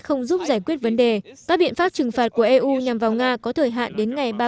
không giúp giải quyết vấn đề các biện pháp trừng phạt của eu nhằm vào nga có thời hạn đến ngày ba mươi